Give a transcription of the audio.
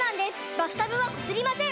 バスタブはこすりません！